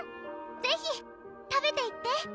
ぜひ食べていって！